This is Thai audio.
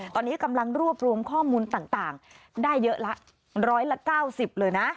ตอนนี้กำลังรวบรวมข้อมูลต่างต่างได้เยอะละร้อยละเก้าสิบเลยนะ